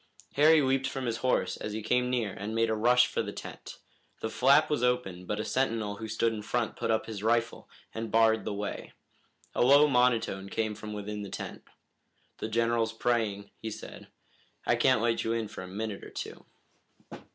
Harry leaped from his horse as he came near and made a rush for the tent. The flap was open, but a sentinel who stood in front put up his rifle, and barred the way. A low monotone came from within the tent. "The General's praying," he said. "I can't let you in for a minute or two."